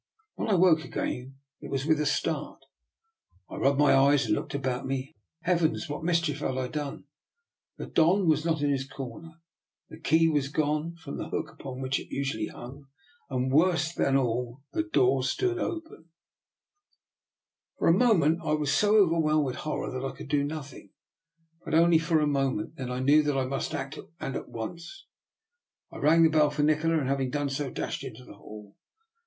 When I woke again it was with a start. I rubbed my eyes and looked about me. Heavens! What mischief had I done? The Don was not in his corner, the key was gone from the hook upon which it usually hung, and worse than all, the door stood open! 300 DR. NIKOLA'S EXPERIMENT. For a moment I was so overwhelmed with horror that I could do nothing. But only for a moment. Then I knew that I must act, and at once. I rang the bell for Nikola, and having done so, dashed into the hall.